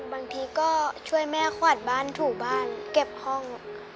บางทีก็ช่วยแม่ขวาดบ้านถูบ้านเก็บห้อง